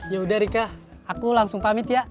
ya udah rike aku langsung pamit ya